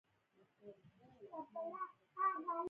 اقتصاد یې د ورځې پر مخ چلېږي.